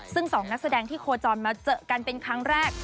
ซึ่ง๒นักแสดงที่โคจรมาเจอกันเป็นครั้งแรก